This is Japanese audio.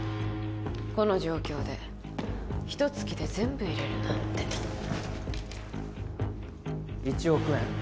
この状況で一突きで全部入れるなんて１億円